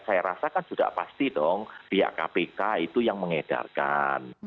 saya rasa kan sudah pasti dong pihak kpk itu yang mengedarkan